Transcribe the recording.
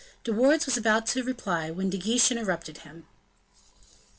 De Wardes was about to reply, when De Guiche interrupted him.